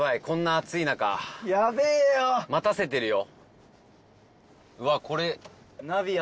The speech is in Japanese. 待たせてるよ。